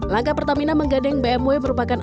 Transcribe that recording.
langkah pertamina menggandeng bmw merupakan